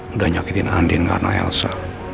udah nyakitin andin karena helsa